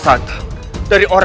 yang cari aku